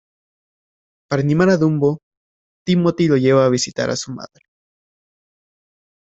Para animar a Dumbo, Timothy lo lleva a visitar a su madre.